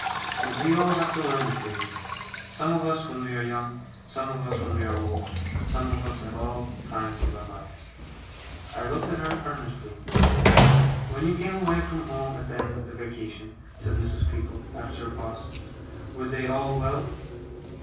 But we all have to learn it, David; some of us when we are young, some of us when we are old, some of us at all times of our lives.' I looked at her earnestly. 'When you came away from home at the end of the vacation,' said Mrs. Creakle, after a pause, 'were they all well?